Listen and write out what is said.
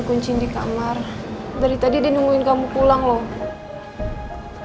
kunci di kamar dari tadi dia nungguin kamu pulang loh